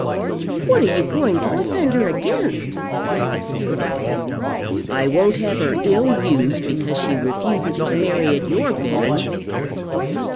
"What are you going to defend her against?" asked his wife. "I won't have her ill used because she refuses to marry at your bidding."